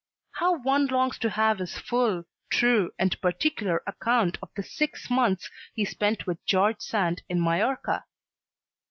How one longs to have his full, true, and particular account of the six months he spent with George Sand in Majorca!